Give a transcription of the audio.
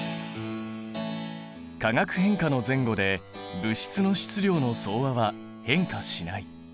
「化学変化の前後で物質の質量の総和は変化しない」。